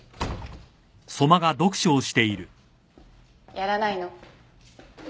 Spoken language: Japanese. やらないの？